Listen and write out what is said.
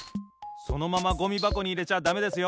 そのままゴミばこにいれちゃだめですよ！